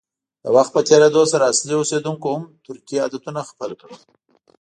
د وخت په تېرېدو سره اصلي اوسیدونکو هم ترکي عادتونه خپل کړل.